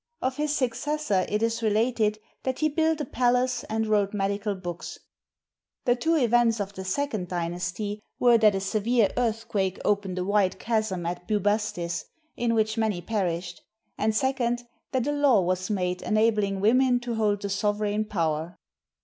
Of his successor it is related that he built a palace and wrote medical books. The two events of the Second Dynasty were that a severe earthquake opened a wide chasm at Bubastis, in which many perished; and, second, that a law was made enabling women to hold the sovereign power.